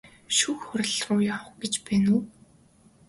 Шүүх хуралруу явах гэж байна уу?